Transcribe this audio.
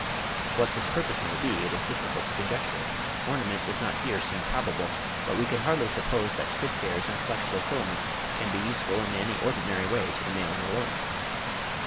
What this purpose may be, it is difficult to conjecture; ornament does not here seem probable, but we can hardly suppose that stiff hairs and flexible filaments can be useful in any ordinary way to the males alone.